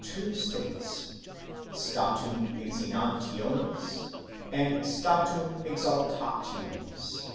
two states, statum exinanitionts, and statum exaltationis.